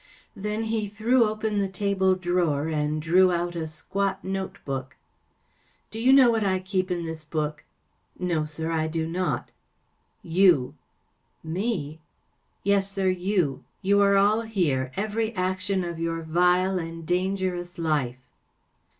Then he threw open the table drawer and drew out a squat note book. 44 Do you know what I keep in this book ? ‚ÄĚ 44 No, sir, I do not! ‚ÄĚ 44 You ! ‚ÄĚ 44 Me ? ‚ÄĚ 44 Yes, sir, you ! You are all here‚ÄĒevery action of your vile and dangerous life.